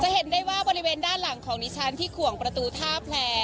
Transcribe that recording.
เห็นได้ว่าบริเวณด้านหลังของดิฉันที่ขวงประตูท่าแพล